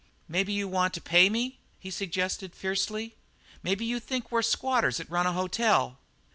"Maybe you want to pay me?" he suggested fiercely. "Maybe you think we're squatters that run a hotel?"